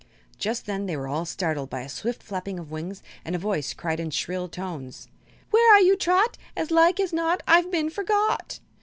Just then they were all startled by a swift flapping of wings, and a voice cried in shrill tones: "Where are you, Trot? As like as not I've been forgot!"